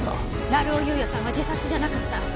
成尾優也さんは自殺じゃなかった。